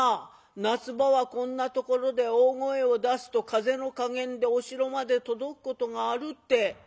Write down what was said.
夏場はこんなところで大声を出すと風の加減でお城まで届くことがあるって」。